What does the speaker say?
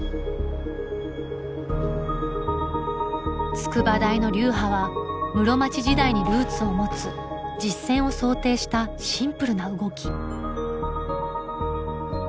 筑波大の流派は室町時代にルーツを持つ実戦を想定したシンプルな動き。